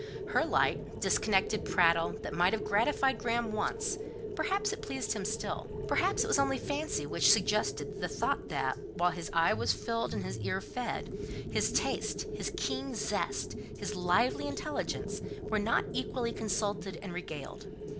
Her light, disconnected prattle might have gratified Graham once; perhaps it pleased him still: perhaps it was only fancy which suggested the thought that, while his eye was filled and his ear fed, his taste, his keen zest, his lively intelligence, were not equally consulted and regaled.